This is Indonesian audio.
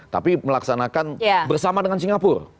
tapi melaksanakan bersama dengan singapura